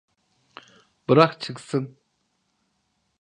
Bırak çıksın.